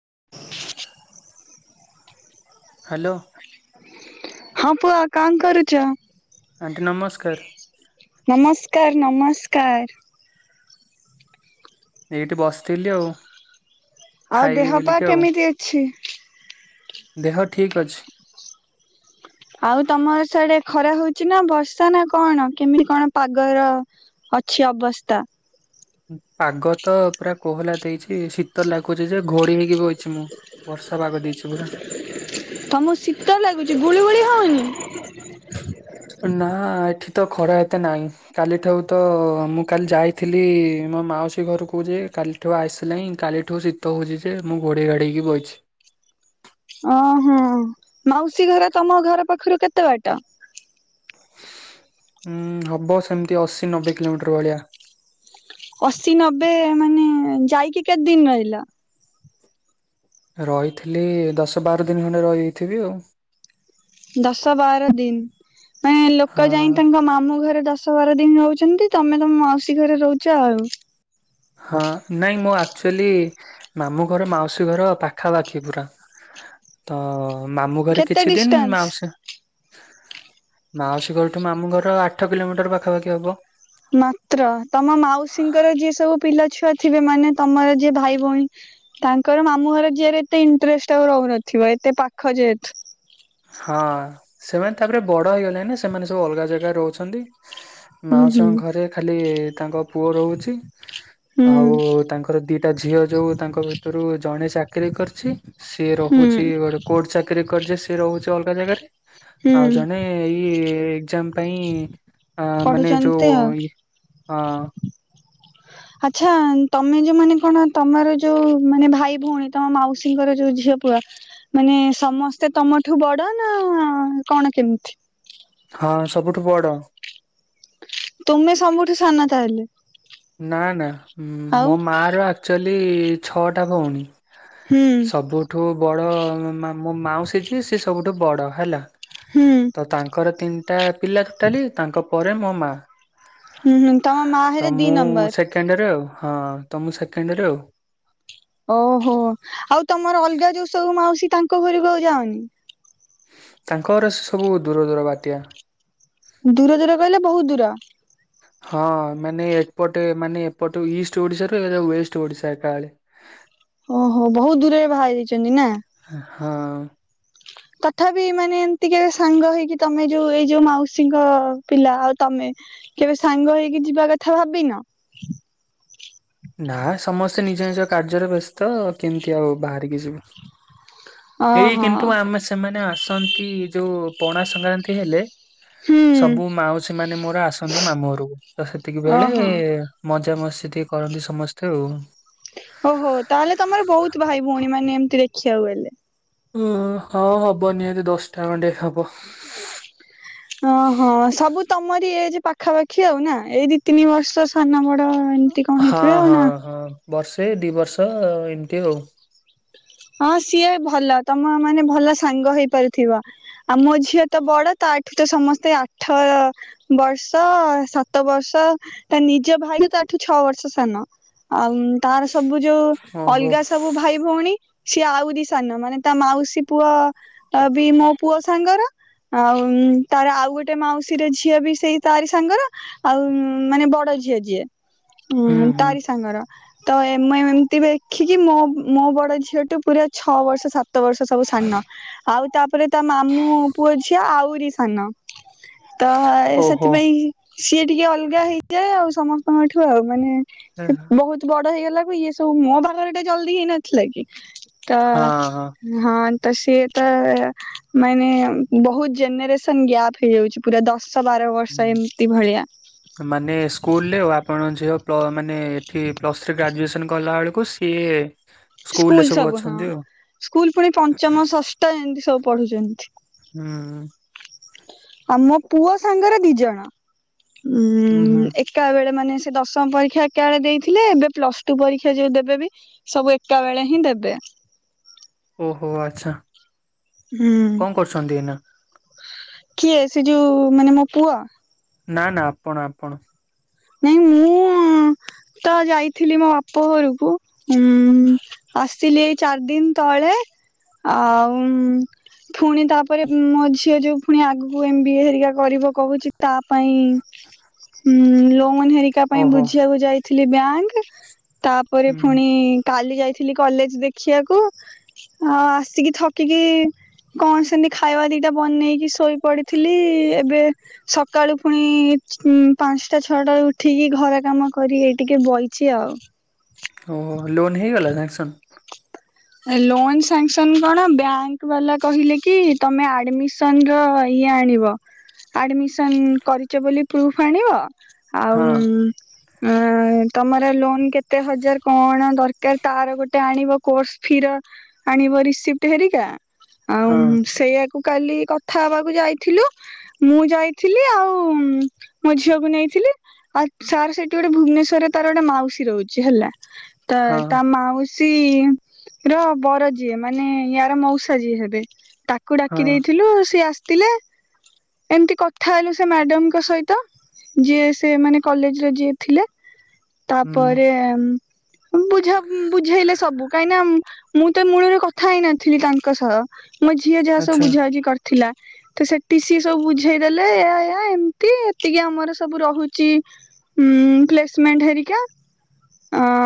[inaudible] Hello. ହଁ ପୁଅ କଣ କରୁଛ? ଆଣ୍ଟି ନମସ୍କାର। କାର ନମସ୍କାର। ଏଇଠି ବସିଥିଲି ଆଉ। ଆଉ ଖାଇବି ଦେହ ପା ବୋଲିକି ଆଉ କେମିତି ଅଛି? ଦେହ ଠିକ ଅଛି। ଆଉ ତମର ସାଡେ ଖରା ହଉଛି ନା ବର୍ଷା ନା କଣ କେମିତି କଣ ପାଗର ଅଛି ଅବସ୍ଥା? ପାଗ ତ ପୁରା କୋହଲା ଦେଇଛି, ଶୀତ ଲାଗୁଛି ଯେ ଘୋଡି ହେଇକି ବଇଚି ମୁଁ ବର୍ଷା ପାଗ ଦେଇଛି ବୋଲି। ତମକୁ ଶୀତ ଲାଗୁଛି ଗୁଳିୁଗୁଳି ହଉନି? ନା ଏଠି ତ ଖରା ଏତେ ନାହିଁ, କାଲିଠାରୁ ତ ମୁଁ କାଲି ଯାଇଥିଲି ମୋ ମାଉସୀ ଘରକୁ ଯେ କାଲିଠୁ ଆସିଲାଇଁ କାଲିଠୁ ଶୀତ ହେଉଛି, ଯେ ମୁଁ ଘୋଡ଼େଇ ଘାଡ଼େଇ ହେଇକି ବଇଛି। ଓହୋ ମାଉସୀ ଘର ତମ ଘର ପାଖରୁ କେତେ ବାଟ? ଉଁ ହବ ସେମିତି ଅଶୀ ନବେ କିଲୋମିଟର ଭଳିଆ। ଅଶୀ ନବେ ମାନେ ଯାଇକି କେତେ ଦିନ ରହିଲା? ରହିଥିଲି ଦଶ ବାର ଦିନ ଖଣ୍ଡେ ରହିଥିବି ଆଉ। ଦଶ ବାର ଦିନ ମାନେ ଲୋକ ଯାଇ ହଁ ତାଙ୍କ ମାମୁଁ ଘରେ ଦଶ ସବାର ଦିନ ରହୁଛନ୍ତି, ତମେ ତମ ମାଉସୀ ଘରେ ରହୁଛ ଆଉ। ହଁ ନାଇଁ ମୁଁ ଆକ୍ଚୁଆଲି ମାମୁଁ ଘର ମାଉସୀ ଘର ପାଖାପାଖି ପୁରା ତ ମାମୁଁ ଘରେ କେତେ କିଛି ଦିନ ଡିଷ୍ଟାନ୍ସ? ମାଉସୀ ମାଉସୀ ଘରଠୁ ମାମୁ ଘର ଆଠ କିଲୋମିଟର ପାଖାପାଖି ହବ। ମାତ୍ର ତମ ମାଉସୀଙ୍କର ଯିଏ ସବୁ ପିଲା ଥିବେ ମାନେ ତମର ଯିଏ ଭାଇ ଭଉଣୀ ତାଙ୍କର ମାମୁ ଘର ଯିଏରେ ଏତେ ଇଣ୍ଟରେଷ୍ଟ ଆଉ ରହୁନଥିବ ହଏ ତ ପାଖଜେ ହେତୁ। ହଁ ସେମାନେ ତାପରେ ବଡ ହେଇଗଲେଣି, ନା ସେମାନେ ସବୁ ଅଲଗା ଜାଗାରେ ରହୁଛନ୍ତି ହୁଁ ହୁଁ। ମାଉସଙ୍କ ଘରେ ଖାଲି ତାଙ୍କ ପୁଅ ରହୁଛି ହୁଁ ଆଉ ତାଙ୍କର ଦିଟା ଝିଅ ଯୋଉ ତାଙ୍କ ଭିତରୁ ଜଣେ ଚା ଚାକିରରି କରିଛି ସିଏ, ହୁଁ ରହୁଛି ଗୋଟେ କୋର୍ଟ ଚାକିରରି କରିଛି ସିଏ ରହୁଛି ଅଲଗା ଜାଗାରେ ଆଉ ହୁଁ ଜଣେ ଏଇ ଏକ୍ଜାମ ପାଇଁ ଆ ମାନେ ପଢୁଛନ୍ତି ଯୋଉ ଆଉ। ହ ଆଚ୍ଛା ତମେ ଯୋଉ ମାନେ କଣ ତମର ଯୋଉ ମାନେ ଭାଇ ଭଉଣୀ ତମ ମାଉସୀଙ୍କର ଯୋଉ ଝିଅ ପ ମାନେ ସମସ୍ତେ ତମଠୁ ବଡ ନା କଣ କେମିତି? ହଁ ସବୁଠୁ ବଡ। ତୁମେ ସମୁଠୁ ସାନ ତାହେଲେ। ନା ନା ଆଉ ଉଁ-ମୋ ମାଆର ଆକଚୋଲି ଛଅଟା ଭଉଣୀ। ହୁଁ ସବୁଠୁ ବଡ ମୋ-ମା ମୋ ମାଉସୀ ଜିଏ ସିଏ ସବୁଠୁ ବଡ ହେଲା। ହୁଁ ତ ତାଙ୍କର ତିନିଟା ପିଲା ଟୋଟାଲି ତାଙ୍କ ପରେ ମୋ ମାଆ। ହୁଁ ହୁଁ ତମ ମାଆ ହେଲେ ଦି ମୁଁ ନମ୍ବର। ସେକେଣ୍ଡେରେ ଆଉ ହଁ ତ ମୁଁ ସେକେଣ୍ଡେରେ ଆଉ। ଓହୋ ଆଉ ତମର ଅଲଗା ଯୋଉ ସବୁ ମାଉସୀ ତାଙ୍କ ଘରକୁ ଆଉ ଯାଅନି? ତାଙ୍କ ଘର ସେସବୁ ଦୂରଦୂର ବାଟିଆ। ଦୂରଦୂର କହିଲେ ବୋହୁତ ଦୂର? ହଁ ମାନେ ଏପଟେ ମାନେ ଏପଟୁ ଇଷ୍ଟ ଓଡିଶରୁ ଏକାଥରେ ୱେଷ୍ଟ ଓଡିଶା ଏକାବେଳେ। ଓହୋ ବୋହୁତ ଦୂରରେ ବାହାହେଇ ଯାଇଚନ୍ତି ନା। ହଁ। ତଥାପି ମାନେ ଏମତି କେବେ ସାଙ୍ଗ ହେଇକି ତମେ ଯୋଉ ଏଇ ଯୋଉ ମାଉସୀଙ୍କ ପିଲା ଆଉ ତମେ କେବେ ସାଙ୍ଗ ହେଇକି ଯିବା କଥା ଭାବିିନ? ନା ସମସ୍ତେ ନିଜ ନିଜ କାର୍ଯ୍ୟରେ ବ୍ୟସ୍ତ କେମତି ଆଉ ବାହାରିକି ଯିବୁ। ଏଇ ଓହୋ କିନ୍ତୁ ଆମେ ସେମାନେ ଆସନ୍ତି ଯୋଉ ପଣାସଂକ୍ରାନ୍ତି ହେଲେ ହୁଁ ସବୁ ମାଉସୀମାନେ ମୋର ଆସନ୍ତି ମାମୁଁହରୁକୁ ତ ସେତିକି ବେଳେ ଓହୋ। ମଜା ମଜା ମସ୍ତି ଟିକେ କରନ୍ତି ସମସ୍ତେ ଆଉ। ଓହୋ ତାହେଲେ ତମର ବୋହୁତ ଭାଇ ଭୋଉଣୀମାନେ ଏମତି ଦେଖିବାକୁ ଗଲେ। ଉଁ-ହଁ ହବ ନିହାତି ଦଶଟା ଖଣ୍ଡେ ହବ। ଅହଁ ସବୁ ତମରି ଏଜେ ପାଖାପାଖି ଆଉ ନା ଏଇ ଦି ତିନି ବର୍ଷ ସାନ ବଡ ଏମତି କଣ ହଁ ହେଇଥିବେ ଆଉ ହଁ ନା? ହଁ ବର୍ଷେ ଦି ବର୍ଷ ଏମିତି ଆଉ। ହଁ ସିଏ ଭଲ ତମ ମାନେ ଭଲ ସାଙ୍ଗ ହେଇପାରୁଥିବ। ଆଉ ମୋ ଝିଅ ତ ବଡ ତାଠୁ ତ ସମସ୍ତେ ଆଠବର୍ଷ ସାତବର୍ଷ୍ ତ ତା ନିଜ ଭାଇ ତ ତାଠୁ ଛଅବର୍ଷ ସାନ ଆଉ ତାର ସବୁ ଯୋଉ ଓହୋ। ଅଲଗା ସବୁ ଭାଇ ଭୋଉଣୀ ସିଏ ଆଉରି ସାନ ମାନେ ତା ମାଉସୀ ପୁଅ ଅ-ବି ମୋ ପୁଅ ସାଙ୍ଗର ଆଉ ତାର ଆଉ ଗୋଟେ ମାଉସୀର ଝିଅ ବି ସେଇ ତାରି ସାଙ୍ଗର ଆଉ ମାନେ ବଡ ଝିଅ ଯିଏ ହୁଁ ତାରି ସାଙ୍ଗର ତ ଏମ ଏମତି ଦେଖିକି ମୋ ମୋ ବଡ ଝିଅ ଟୁ ପୁରା। ଛଅ ବର୍ଷ ସାତ ବର୍ଷ ସବୁ ସାନ ଆଉ ତାପରେ ତା ମାମୁଁ ପୁଅ ଝିଅ ଆହୁରି ସାନ ତ ଓହୋ ସେଥିପାଇଁ। ସିଏ ଟିକେ ଅଲଗା ହେଇଯାଏ ଆଉ ସମସ୍ତଙ୍କଠୁ ଆଉ ମାନେ ହଁ ବହୁତ ବଡ। ହେଇଗଲା କ ଇଏ ସବୁ ମୋ ବାହା ଘର ଟା ଜଲଦି ହେଇନଥିଲା କି। ତ ହଁ। ହଁ। ତ ସିଏ ତ ମାନେ ବହୁତ ଜେନେରେସନ୍ ଗ୍ୟାପ ହେଇଯାଉଛି ପୁରା ଦଶ। ବାର ବର୍ଷ ଏମିତି ଭଳିଆ ମାନେ ସ୍କୁଲରେ ଆପଣ? ଝିଅ ମାନେ ଏଠି ପ୍ଲସ ଥ୍ରୀ ଗ୍ରାଜୁଏସନ କଲା ବେଳକୁ ସିଏ। ସ୍କୁଲରେ ସ୍କୁଲ ସବୁ ହଁ ଅଛନ୍ତି ଆଉ। ସ୍କୁଲ ପୁଣି ପଞ୍ଚମ ଷଷ୍ଠ ଏମିତି ସବୁ ପଢୁଛନ୍ତି। ହୁଁ। ଆମ ପୁଅ ସାଙ୍ଗରେ ଦି ଜଣ ଉଁ ଏକା ବେଳେ ମାନେ ସେ ଦଶମ ପରୀକ୍ଷା ଏକା ବଳେ ଦେଇଥିଲେ ଏବେ ପ୍ଲସ ଟୁ ପରୀକ୍ଷା ଯୋଉ ଦେବେବ ସବୁ ଏକା ବଳେ ହିଁ ଦେବେ। ଓହୋ ଆଚ୍ଛା ହୁଁ କଣ କରୁଛନ୍ତି ଏଇନା। କିଏ ସେ ଯୋଉ ମାନେ ମୋ ପୁଅ। ନା ନା ଆପଣ ଆପଣ ନାଇଁ ମୁଁ ତ ଯାଇଥିଲି ମୋ ବାପ ଘରକୁ ଉ ଆସିଲି ଏଇ ଚାରି ଦିନ ତଳେ। ଆଉ। ପୁଣି ତାପରେ ମୋ ଝିଅ ଯୋଉ ପୁଣି ଆଗକୁ ଏମବ ଏ ହେରିକା କରିବ କହୁଛି ତା ପାଇଁ। ହୁଁ ଲୋ। ନ ହେରିକା ପାଇଁ ଓହୋ ବୁଝିବାକୁ ଯାଇଥିଲି ବ୍ୟାଙ୍କ ତାପରେ ହୁଁ ପୁଣି କାଲି ଯାଇଥିଲି। ଥିଲି କଲେଜ ଦେଖିବାକୁ ଆଉ ଆସିକି ଥକିକି କଣ ସେମିତି ଖାଇବା ଦିଟା ବନେଇକି ଶୋଇ। ପଢିଥିଲି ଏବେ ସକାଳୁ ପୁଣି ପାଞ୍ଚଟା ଛଅଟା ବେଳେ ଉଠିକି ଘର କାମ କରି ଟିକେ ବହିଛି ଆଉ। ଓ ଲୋନ୍ ହେଇଗଲା ସ୍ୟାକସନ୍? ଲୋନ ସ୍ୟାକ୍ସନ କଣ ବ୍ୟାଙ୍କ ବାଲା କହିଲେ କି ତମେ ଆଡମିସନ ର ଇଏ ଆଣିବ ଆଡମିସନ୍ କରିଚ ବୋଲି ପ୍ରୁଫ୍ ଆଣିବ। ଆଉ ହଁ ଆ ତମର ଲୋନ୍ କେତେ ହଜାର କଣ ଦରକାର ତାର ଗୋଟେ ଆଣିବ କୋର୍ସ୍ ଫିର ଆଣିବ ରିସିପଟ୍ ହରିକା ଆଉ ହଁ ସେଇଆକୁ କାଲି କଥା ହବାକୁ ଯାଇଥିଲୁ ମୁଁ ଯାଇଥିଲି ଆଉ ମୋ ଝିଅକୁ ନେଇଥିଲି। ଆଉ ସାର୍ ସେଠି ଗୋଟେ ଭୁବନେଶ୍ଵରରେ ତାର ଗୋଟେ ମାଉସୀ ରହୁଚି ହେଲା ତ ହଁ ତା ମାଉସୀ ର ବର ଯିଏ ମାନେ ୟାର ମୋଉସା ଯିଏ ହେବେ ତାକୁ ଡାକି ହଁ ଦେଇଥିଲୁ ସିଏ ଆସିଥିଲେ। ଏମତି କଥା ହେଲୁ ସେ ମ୍ୟାଡାମଙ୍କ ସହିତ। ଯିଏ ସେ ମାନେ କଲେଜରେ ଯିଏ ଥିଲେ ହୁଁ ତାପରେ ବୁଝା ଉଁ-ବୁଝେଇଲେ ସବୁ। ଉଁ-ମୁଁ ତ ମୂଳରେ କଥା ହେଇନଥିଲି ତାଙ୍କ ସହ ମୋ ଝିଅ ଯାହା ସବୁ ଆଚ୍ଛା ବୁଝାବୁଝି କର୍ ଥିଲା ତ ସେଠି ସିଏ ସବୁ ବୁଝେଇ ଦେଲେ ଏୟା ଏୟା ଏମତି ଏତିକି ଆମର ସବୁ ରହୁଚି ଉଁ ପ୍ଲେସମେଣ୍ଟ୍ ହେରିକା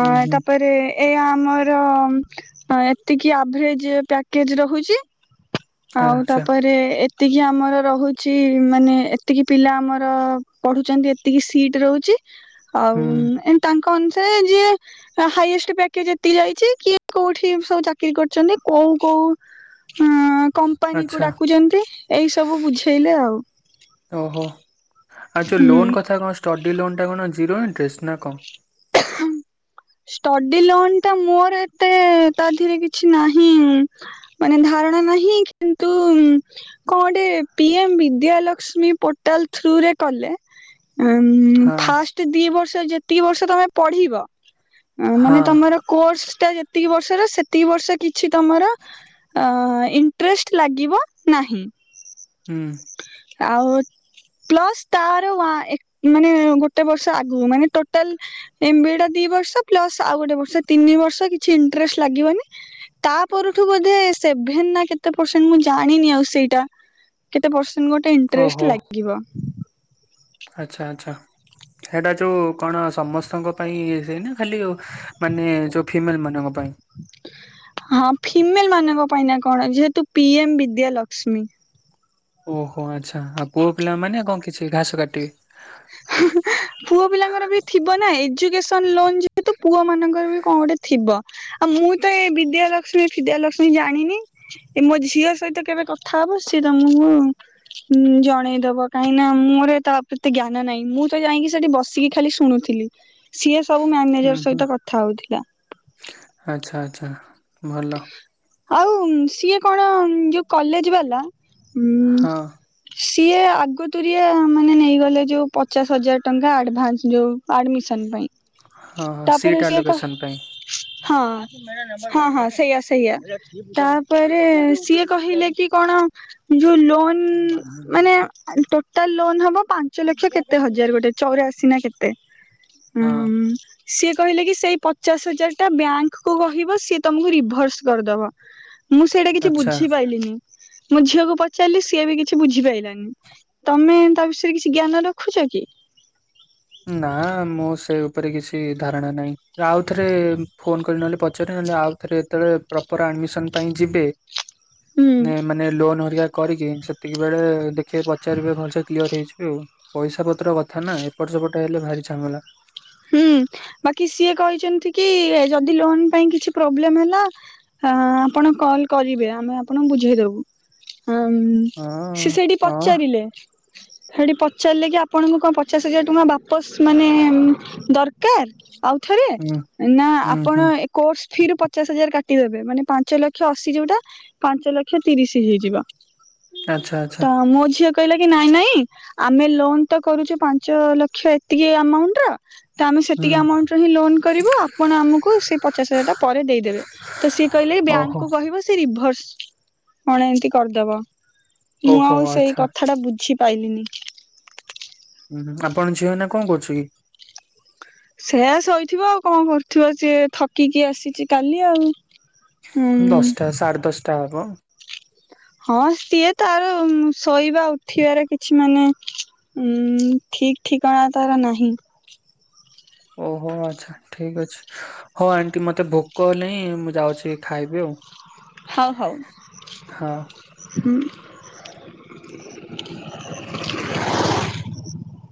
ହୁଁ ହୁଁ ଏ ଆମର ର ଅ ଏତିକି ଆଭରେଜ୍ ପ୍ୟାକେଜ୍ ରହୁଚି ଆଉ ଆଚ୍ଛା ତାପରେ ଏ ଏତିକି ଆମର ରହୁଚି ମାନେ ଏତିକି ପିଲା ଆମର ପଢ଼ୁଚନ୍ତି ଏତିକି ସିଟ୍ ରହୁଚି। ଆଉ ହୁଁ ଏମ୍-ତାଙ୍କ ଅନୁସାରେ ଯିଏ ହାଇଏଷ୍ଟ୍ ପ୍ୟାକେଜ ଯାଇଚି କିଏ କୋଉଠି ସବୁ ଚାକିରୀ କରଚନ୍ତି କୋଉ କୋଉ ହଁ କମ୍ପାନୀ କୁ ଆଚ୍ଛା ଡାକୁଛନ୍ତି ଏଇ ସବୁ ବୁଝେଇଲେ ଆଉ। ଓହୋ ଆଉ ଯୋଉ ହୁଁ। ଲୋନ୍ କଥା କଣ ଷ୍ଟଡି ଲୋନ୍ ଟା କଣ ଜିରୋ ଇଣ୍ଟରେଷ୍ଟ ନା କଣ? [unintelligible] ଷ୍ଟଡି ଲୋନ୍ ଟା ମୋର ଏତେ ତାରେ କିଛି ନାହିଁ ମାନ କିନ୍ତୁ କଣ ଗୋଟେ ବିଦ୍ୟା ଲକ୍ସମି କଲେ ହଁ ଫାଷ୍ଟ ଦି ବର୍ଷ ଯେତିକି ବର୍ଷ ତମେ ପଢିବ ମାନେ ହଁ ତମର କୋର୍ସ ଟା ଯେତିକି ବର୍ଷର ସେତିକି ବର୍ଷ କିଛି ତମର ଇଣ୍ଟଷ୍ଟ ଲାଗିବ ନାହି ହୁଁ। ଆଉ ପ୍ଲସ୍ ତାର ମାନେ ଗୋଟେ ବର୍ଷ ଆଗ ମାନେ ଟୋଟାଲ ବର୍ଷ ପ୍ଲସ ଆଉ ଗୋଟେ ବର୍ଷ ତିନି ବର୍ଷ କିଛି ଇଣ୍ଟଷ୍ଟ ଲାଗିବନି ତା ପରଠୁ ବୋଧେ ସେଭେନ ନା କେତେ ପରସେଣ୍ଟ ମୁଁ ଜାଣିନି ଆଉ ସେଇଟା କେତେ ପରସେଣ୍ଟ ଗୋଟେ ଇଣ୍ଟଷ୍ଟ ଲାଗିବ। ଆଚଛା ଆଚଛା। ସେଇଟା ଯୋଉ କଣ ସମସ୍ତଙ୍କ ପାଇଁ ସେଇ ଖାଲିଉ ମାନେ ଯୋଉ ଫିମେଲ ମାନଙ୍କ ପାଇଁ? ହଁ ଫିମେଲ ମାନଙ୍କ ପାଇଁ ନା କଣ ଯେହେତୁ ପି ଏମ ବିଦ୍ୟା ଲକ୍ଷ୍ମୀ ଓହୋ ଆଚ୍ଛା ଆଉ ପୁଅ ପିଲା ମାନେ କଣ କିଛି ଘାସ କାଟିବି? ପୁଅ ପିଲାଙ୍କର ବି ଥିବ ନା ଏଜୁକେସନ ଲୋ ଯେହେତୁ ପୁଅ ମାନଙ୍କର ବି କଣ ଗୋଟେଥିବ ଆଉ ମୁଁ ତ ଏଇ ବିଦ୍ୟା ଲକ୍ଷ୍ମୀ ବିଦ୍ୟା ଲକ୍ଷ୍ମୀ ଜାଣିନି ଏ ମୋ ଝିଅ ସହିତ କେବେ କଥା ହବ ସିଏ ତମକୁ ଁ ଜଣେଇଦବ କାହିଁକି ନା ମୋର ତା ପ୍ରେ ଜ୍ଞାନ ନା ନାଇଁ ମୁଁ ତ ଯାଇକି ସେଠି ବସିକି ଖାଲି ଶୁଣୁଥିଲି ସିଏ ସବୁ ଉଁ ମ୍ୟାନେଜର ହୁଁ ସହିତ କଥା ହଉଥିଲା। ଆଛା ଭଲ। ଆଉ ସିଏ କଣ ଯୋଉ କଲେଜ ବାଲା ଉଁ ହଁ। ସିଏ ଆଗତୁରି ମାନେ ନେଇଗଲେ ଯେଉଁ ପଚାଶ ହଜାର ଟଙ୍କା ଆଡ଼ଭାନ୍ସ ଯେଉଁ ଆଡ଼ମିସନ ପାଇଁ। ହଁ ତାପରେ ସେିଟା ସିଏ କହ ଲୋକସନ ପାଇଁ। ହଁ ହଁ ହଁ ସେଇଆ ସେଇଆା। ତାପରେ ସିଏ କହିଲେ କି କଣ ଯୋଉ ଲୋନ୍ ମାନେ ଟୋଟାଲ ଲୋନ ହବ ପାଞ୍ଚ ଲକ୍ଷ କେତେ ହଜାର ଗୋଟେ ଚଉରାଶୀ ନା କେତେ ହ। ହଁ ସିଏ କହିଲେ କି ସେଇ ପଚାଶ ହଜାର ଟା ବ୍ୟାଙ୍କକୁୁ କହିବ ସିଏ ତମକୁ ରିଭର୍ସ କରିଦବ ମୁଁ ସେଇଟା କିଛି ଆଚ୍ଛା। ବୁଝିପାରଲିିନି ମୋ ଝିଅକୁ ପଚାରିଲି ସିଏ ବି କିଛି ବୁଝିପାରଲାନି ତମେ ତା ବିଷୟରେ କିଛି ଜ୍ଞାନ ରଖୁଛ କି? ନା ମୁଁ ସେ କିଛି ଧାରଣା ନାଁ ଆଉ ଥରେ ଫୋନ କରି ନହଲେ ପଚାର ନହଲେ ଆଉଥରେ ପ୍ରପ ମିସନ ପାଇଁ ଯିବେ ହୁଁ ନ ମାନେ ଲୋନ ହରିକ କରିକି ସେତିକି ବେଳେ ଦେଖିବେ ପଚାରିବେ ଘଲସ କ୍ଲିୟର ହେଇଯିବ ପଇସା ପତ୍ର କଥା ନା ଏପଟ ସେପଟ ହେଲେ ଭାରି ଝାମେଲା। ହୁଁ ବାକି ସିଏ କହିଛନ୍ତି କି ଯଦି ଲୋନ ପାଇଁ କିଛି ପ୍ରୋବ୍ଲେମ ହେଲା ହ ଆପଣ କଲ୍ କରିବେ ଆମେ ଆପଣଙ୍କୁ ବୁଝେଇଦବୁ। [unintelligible] ହଁ ହଁ ସେ ସେଇଠି ହଁ ପଚାରିଲେ ସେଠି ଚିଲେ କି ଆପଣଙ୍କୁ କଣ ପଚାଶ ହଜାର ଟଙ୍କା ବାପସ ମାନେ ଦରକାର ଆଉ ହୁଁ ନା ହୁଁ ହୁଁ ଆପଣ ପଚାଶ ହଜାର କାଟିଦେବେ ମାନେ ପାଞ୍ଚ ଲକ୍ଷ ଅଶି ଯୋଉଟା ପାଞ୍ଚ ଲକ୍ଷ ତିରିଶ ହେଇଯିବ। ଆଚଛା ତ ଆଚ୍ଛା। ମୋ ଝିଅ କହିଲା କି ନାଇଁ ନାଇଁ ଆମେ ଲୋନ ତ କରୁଛୁ ପାଞ୍ଚ ଲକ୍ଷ ଏତିକି ଆମାଉଣ୍ଟ ର ତ ଆମେ ହୁଁ ସେତିକି ଆମାଉଣ୍ଟରେ ହିଁ ଲୋନ କରିବୁ ଆପଣ ଆମକୁ ସେ ପଚାଶ ହଜାର ଟା ପରେ ଦେଇଦେବେ। ତ ସିଏ କହିଲେ ବ୍ୟାଙ୍କ ଓହୋ। କୁ କହିବ ସେ ରିଭର୍ସ କଣ ଏମିତି କରିଦବ [inaudible] ମୁଁ ଓହୋ ଆଉ ସେଇ ଆଚ୍ଛା କଥା ଟା ବୁଝି ପାଇଲିିନୀ। [inaudible] ହୁଁ ଆପଣ ଝିଅ ହେ ନା କଣ କରୁଛୁ କି? [inaudible] ସେୟା ଶୋଇଥିବ ଆଉ କଣ କରୁଥିବ ସିଏ ଥକିକି ଆସିଛି କାଲି ଆଉ। ହୁଁ ଦଶଟା ସାଢେ ଦଶଟା ହବ? ହଁ ସିଏ ତାର ଶୋଇବା ଉଠିବାର କିଛି ମାନେ ଉଁ ଠିକ୍ ଠିକଣା ତାର ନାହିଁ [inaudible] ଓହୋ ଆଚ୍ଛା ଠିକ୍ ଅଛି ହଉ ଆଣ୍ଟି ମତେ ଭୋକ ହେଲେଣିି ମୁଁ ଯାଉଛି ଖାଇବି ଆଉ। ହଉ ହଉ ହଁ। [inaudible] ହୁଁ। [inaudible]